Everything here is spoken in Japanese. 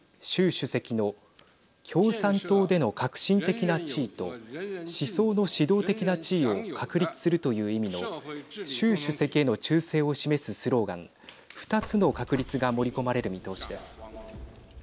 主席の共産党での核心的な地位と思想の指導的な地位を確立するという意味の習主席への忠誠を示すスローガン２つの確立が盛り込まれる見通しです。